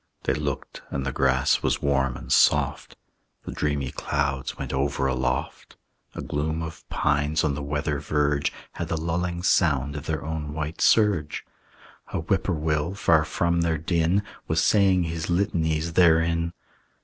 They looked, and the grass was warm and soft; The dreamy clouds went over aloft; A gloom of pines on the weather verge Had the lulling sound of their own white surge; A whip poor will, far from their din, Was saying his litanies therein.